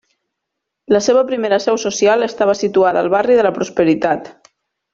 La seva primera seu social estava situada al barri de la Prosperitat.